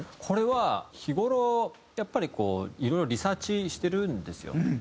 これは日頃やっぱりこういろいろリサーチしてるんですよ。